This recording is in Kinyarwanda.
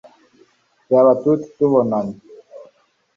Byaba tut tubonye